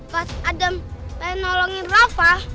pas adam pengen nolongin rafa